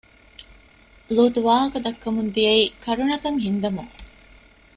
ލޫޠު ވާހަކަދައްކަމުން ދިޔައީ ކަރުނަތައް ހިންދަމުން